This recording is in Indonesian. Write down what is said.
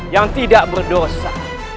yang tidak berdosa